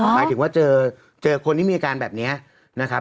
หมายถึงว่าเจอคนที่มีอาการแบบนี้นะครับ